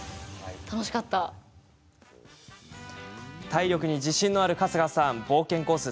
体力に自信のある春日さん冒険コース